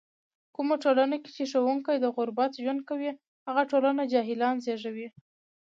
کومه ټولنه کې چې ښوونکی د غربت ژوند کوي، هغه ټولنه جاهلان زږوي.